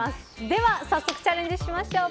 では早速チャレンジしましょう。